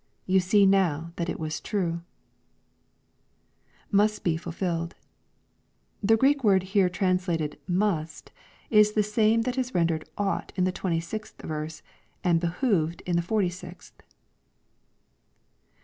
You see now that it was true." [Musi he fulfilled.'] The Grreek word here translated "must," ig the same that is rendered " ought" in the 26th verse, and " be hoved" in the 46th.